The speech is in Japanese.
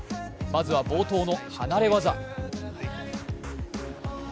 まずは冒頭の離れ技。